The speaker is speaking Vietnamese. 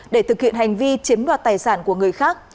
để thực hiện hành vi chiếm đoạt tài sản của người khác